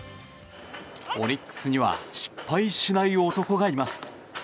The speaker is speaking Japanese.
オリックスには失敗しない男がいます。